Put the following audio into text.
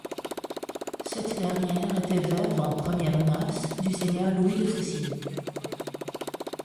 Cette dernière était veuve en premières noces du seigneur Louis de Faucigny.